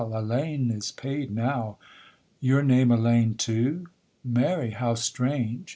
Alleyne is paid now; your name Alleyne too? Mary! how strange!